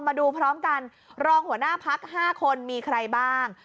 มาดูพร้อมกันรองหัวหน้าพัก๕คนมีใครบ้าง